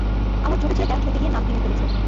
আমার ছোট ছেলেটা খেলতে গিয়ে নাক ভেঙে ফেলেছে।